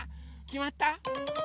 きまった？